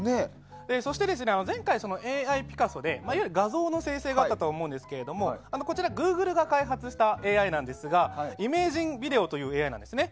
そして、前回ＡＩピカソでいわゆる画像生成があったと思いますがグーグルが開発したＡＩですがイメージン・ビデオというＡＩなんですね。